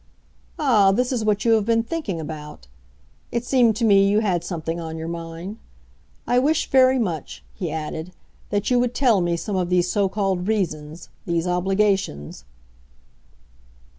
"Ah, this is what you have been thinking about? It seemed to me you had something on your mind. I wish very much," he added, "that you would tell me some of these so called reasons—these obligations."